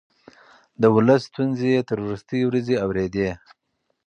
د ولس ستونزې يې تر وروستۍ ورځې اورېدې.